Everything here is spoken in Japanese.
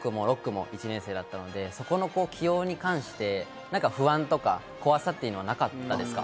５区も６区も１年生だったので、そこの起用に関して不安とか怖さっていうのはなかったですか？